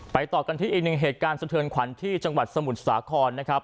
ต่อกันที่อีกหนึ่งเหตุการณ์สะเทือนขวัญที่จังหวัดสมุทรสาครนะครับ